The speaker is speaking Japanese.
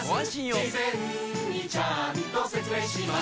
事前にちゃんと説明します